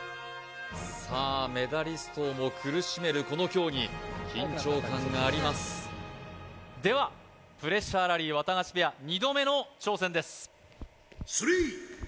さあメダリストをも苦しめるこの競技緊張感がありますではプレッシャーラリーワタガシペア２度目の挑戦です